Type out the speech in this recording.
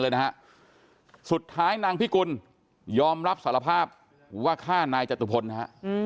เลยนะฮะสุดท้ายนางพิกุลยอมรับสารภาพว่าฆ่านายจตุพลนะฮะ